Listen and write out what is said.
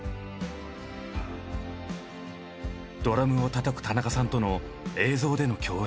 ドラムをたたく田中さんとの映像での共演。